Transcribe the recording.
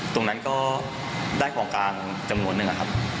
ตรงนั้นก็ได้ของกลางจำนวนนึง